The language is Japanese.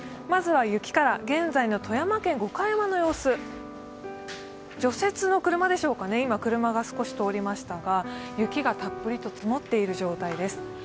まずは雪から現在の富山県、五箇山の様子、除雪の車でしょうかね、今、車が通りましたが、雪がたっぷりと積もっている状態です。